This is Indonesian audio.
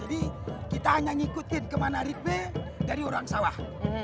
jadi kita hanya ngikutin kemana ritme dari orang sawah